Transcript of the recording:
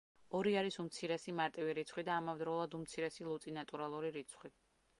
ორი არის უმცირესი მარტივი რიცხვი და ამავდროულად უმცირესი ლუწი ნატურალური რიცხვი.